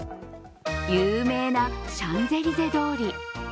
有名なシャンゼリゼ通り。